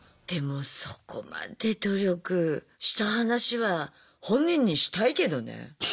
でもそこまで努力した話は本人にしたいけどね。